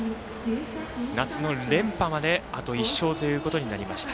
夏の連覇まで、あと１勝ということになりました。